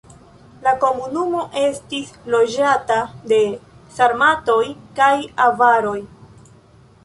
La komunumo estis loĝata de sarmatoj kaj avaroj.